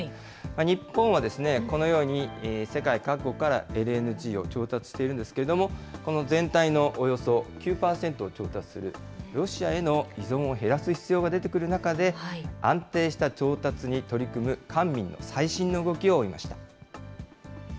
日本はこのように世界各国からＬＮＧを調達しているんですけれども、この全体のおよそ９％を調達するロシアへの依存を減らす必要が出てくる中で、安定した調達に取り組む官民の最新の動きを追いました。